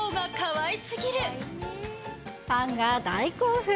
ファンが大興奮。